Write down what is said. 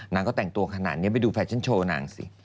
นางก็แต่งตัวขนาดนี้ไปดูแฟชั่นโชว์นางสิ